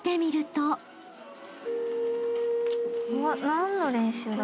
何の練習だ？